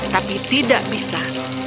tapi tidak bisa